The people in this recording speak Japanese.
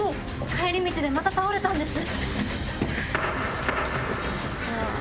帰り道でまた倒れたんです。